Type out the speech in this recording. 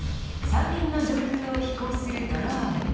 山林の上空を飛行するドローン。